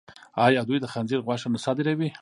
آیا دوی د خنزیر غوښه نه صادروي؟